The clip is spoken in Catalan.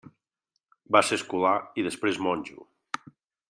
Va ser escola i després monjo.